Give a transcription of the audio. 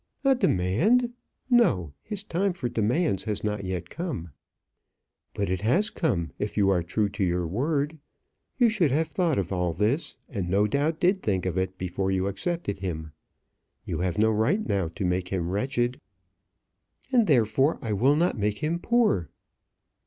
"A demand. No; his time for demands has not yet come." "But it has come if you are true to your word. You should have thought of all this, and no doubt did think of it, before you accepted him. You have no right now to make him wretched." "And, therefore, I will not make him poor."